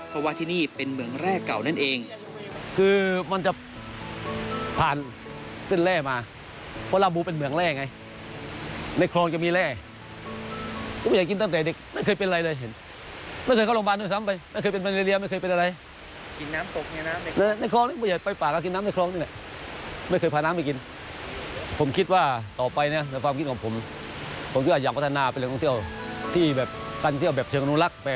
เพราะว่าที่นี่เป็นเหมืองแร่เก่านั่นเอง